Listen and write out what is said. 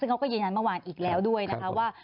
ซึ่งเขาก็ยืนยันเมื่อวานอีกแล้วด้วยนะคะว่า